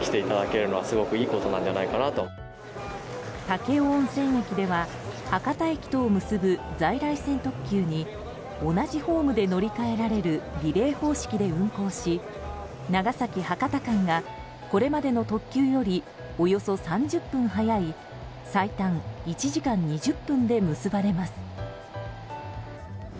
武雄温泉駅では博多駅とを結ぶ在来線特急に同じホームで乗り換えられるリレー方式で運行し長崎博多間がこれまでの特急よりおよそ３０分早い最短１時間２０分で結ばれます。